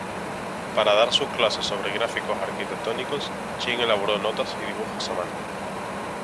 Para dar sus clases sobre gráficos arquitectónicos, Ching elaboró notas y dibujos a mano.